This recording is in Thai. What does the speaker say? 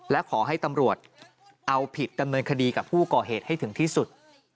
และขอให้ตำรวจเอาผิดดำเนินคดีกับผู้ก่อเหตุให้ถึงที่สุด